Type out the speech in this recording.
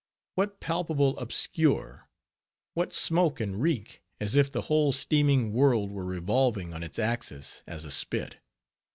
What palpable obscure? What smoke and reek, as if the whole steaming world were revolving on its axis, as a spit?